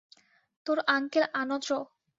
তোর আঙ্কেল আনোচও!